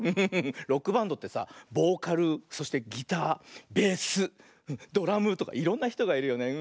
ロックバンドってさボーカルそしてギターベースドラムとかいろんなひとがいるよねうん。